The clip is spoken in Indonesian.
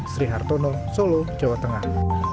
sri hartono solo jawa tengah